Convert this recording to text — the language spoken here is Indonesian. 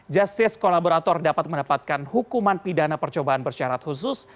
justice kolaborator dapat mendapatkan hukuman pidana percobaan bersyarat khusus